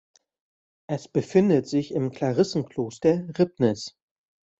Es befindet sich im Klarissenkloster Ribnitz.